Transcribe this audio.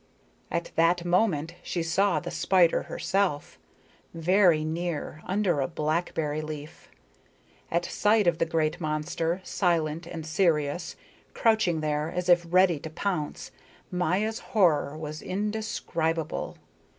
At that moment she saw the spider herself very near, under a blackberry leaf. At sight of the great monster, silent and serious, crouching there as if ready to pounce, Maya's horror was indescribable.